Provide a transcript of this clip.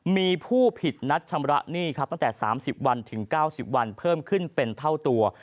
มีผู้ผิดนัดชำระหนี้ครับตั้งแต่๓๐วันถึง๙๐วันเพิ่มขึ้นเป็นเท่าตัว